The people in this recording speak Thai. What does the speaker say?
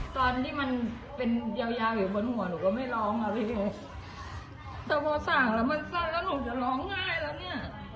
ตอนที่มันเป็นยาวยาวอยู่บนหัวหนูก็ไม่ร้องอ่ะพี่แต่พอสั่งแล้วมันสั้นแล้วหนูจะร้องไห้แล้วเนี่ย